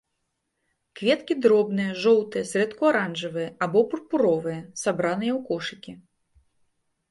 Кветкі дробныя, жоўтыя, зрэдку аранжавыя або пурпуровыя, сабраныя ў кошыкі.